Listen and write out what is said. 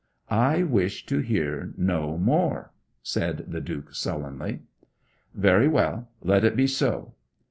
'I wish to hear no more,' said the Duke sullenly. 'Very well; let it be so.